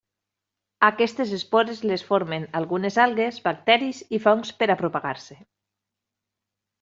Aquestes espores les formen algunes algues, bacteris i fongs per a propagar-se.